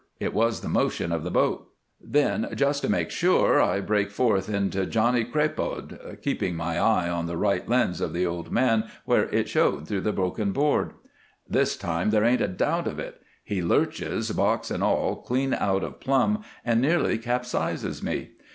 It was the motion of the boat.' Then, just to make sure, I break forth into 'Johnny Crapaud,' keeping my eye on the right lens of the old man where it showed through the broken board. This time there ain't a doubt of it. He lurches, box and all, clean out of plumb and nearly capsizes me.